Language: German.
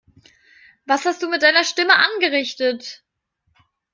Was hast du mit deiner Stimme angerichtet?